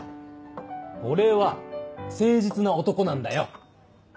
俺は誠実な男なんだよ！